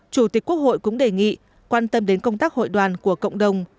chủ tịch quốc hội cũng đề nghị quan tâm đến công tác hội đoàn của cộng đồng